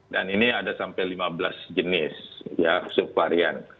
dan ini ada sampai lima belas jenis subvarian